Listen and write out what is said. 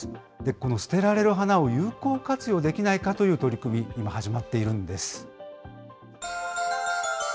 この捨てられる花を有効活用できないかという取り組み、今、始まっているんです。